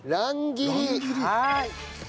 はい。